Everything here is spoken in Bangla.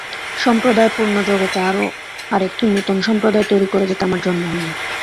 সম্প্রদায়পূর্ণ জগতে আর একটি নূতন সম্প্রদায় তৈরী করে যেতে আমার জন্ম হয়নি।